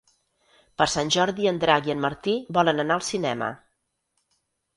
Per Sant Jordi en Drac i en Martí volen anar al cinema.